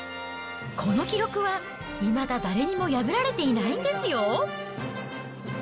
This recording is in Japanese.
この記録はいまだ、誰にも破られていないんですよ。